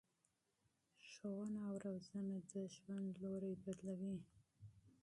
ښوونه او روزنه د ژوند لوری بدلوي.